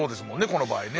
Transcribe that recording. この場合ね。